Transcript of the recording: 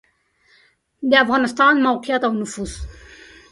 د افغانستان موقعیت او نفوس